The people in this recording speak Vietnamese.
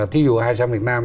thí dụ hải sản việt nam